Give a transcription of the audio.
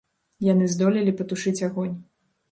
Яны здолелі патушыць агонь.